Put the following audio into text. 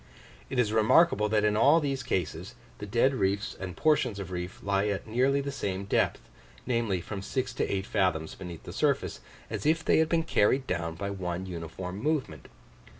It is remarkable that in all these cases, the dead reefs and portions of reef lie at nearly the same depth, namely, from six to eight fathoms beneath the surface, as if they had been carried down by one uniform movement.